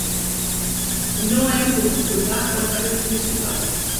No hem pogut trobar el carrer principal.